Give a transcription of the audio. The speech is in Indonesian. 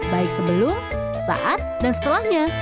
baik sebelum saat dan setelahnya